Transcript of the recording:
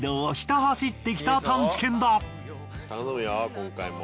今回も。